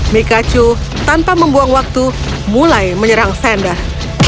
mikajo tanpa membuang waktu mulai menyerang sander